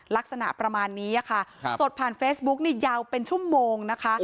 ลักษณะประมาณนี้ค่ะสดผ่านเฟซบุ๊กนี่ยาวเป็นชั่วโมงนะคะ